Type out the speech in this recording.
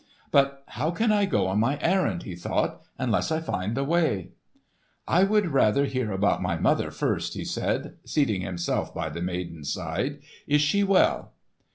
"But how can I go on my errand," he thought, "unless I find the way?" "I would hear about my mother first," he said, seating himself by the maiden's side. "Is she well?"